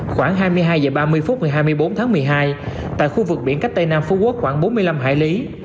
khoảng hai mươi hai h ba mươi phút ngày hai mươi bốn tháng một mươi hai tại khu vực biển cách tây nam phú quốc khoảng bốn mươi năm hải lý